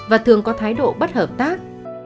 và thường có thái độ bất hợp tác